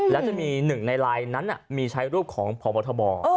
แล้วจะมี๑ในไลน์นั้นน่ะมีช้ารูปของพอมรัฐบอล